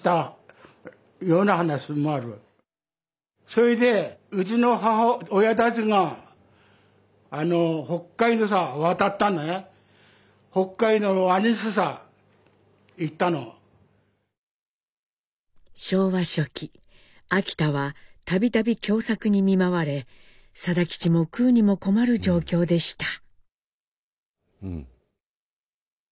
それで昭和初期秋田はたびたび凶作に見舞われ定吉も食うにも困る状況でした。